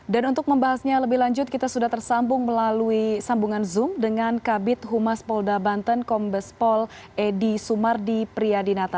dan untuk membahasnya lebih lanjut kita sudah tersambung melalui sambungan zoom dengan kabit humas polda banten kombespol edy sumardi priadinata